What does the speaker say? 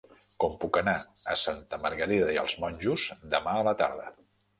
Com puc anar a Santa Margarida i els Monjos demà a la tarda?